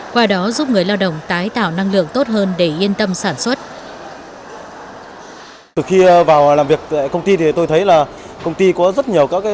qua đó giúp người lao động tái tạo năng lượng tốt hơn để yên tâm sản xuất